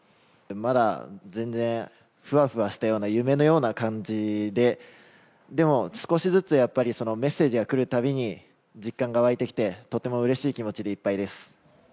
まだ全然ふわふわした夢のような感じで、でも少しずつメッセージが来るたびに実感が湧いてきて、とても嬉しい気持ちでいっぱいです。